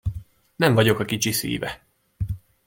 Nem vagyok a kicsi szíve!